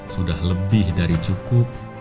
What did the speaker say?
sudah lebih dari cukup